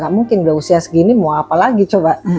gak mungkin udah usia segini mau apa lagi coba